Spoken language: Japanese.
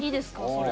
それ。